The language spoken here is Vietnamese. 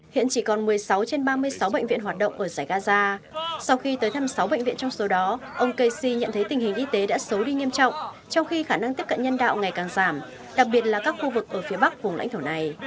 hiện chỉ còn một mươi sáu trên ba mươi sáu bệnh viện hoạt động ở giải gaza sau khi tới thăm sáu bệnh viện trong số đó ông kesi nhận thấy tình hình y tế đã xấu đi nghiêm trọng trong khi khả năng tiếp cận nhân đạo ngày càng giảm đặc biệt là các khu vực ở phía bắc vùng lãnh thổ này